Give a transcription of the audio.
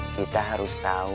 kita harus tau